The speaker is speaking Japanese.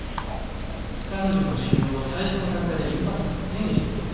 彼女の腫瘍は最初の段階でリンパ節に転移してるんだぞ。